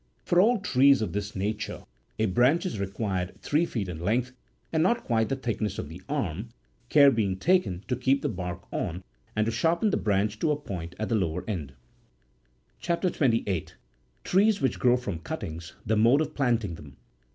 For all trees of this nature a branch is required three feet m length, and not quite the thickness of the arm, care being taken to keep the bark on, and to sharpen the branch to a point at the lower end. CHAF. 28.— TREES WHICH GROW FROM CUTTINGS; THE MODE OF PLANTING THEM.